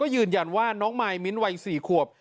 ยืนยันว่าน้องมายมิ้นท์วัย๔ขวบ